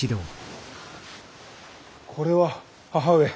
これは母上。